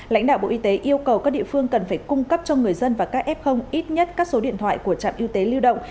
lãnh đạo bộ y tế yêu cầu các địa phương cần phải cung cấp cho người dân và các f ít nhất các số điện thoại của trạm y tế lưu động